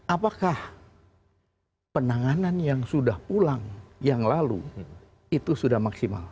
apakah penanganan yang sudah pulang yang lalu itu sudah maksimal